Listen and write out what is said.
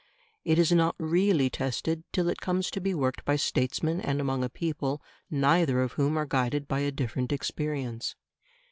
It is not really tested till it comes to be worked by statesmen and among a people neither of whom are guided by a different experience.